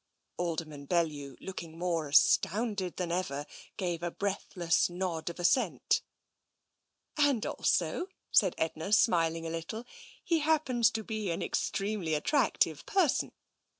Alderman Bellew, looking more astounded than ever, gave a breathless nod of assent. " And also," said Edna, smiling a little, " he hap pens to be an extremely attractive person.